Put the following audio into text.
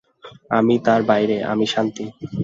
আমি তার বাইরে, আমি শান্তি।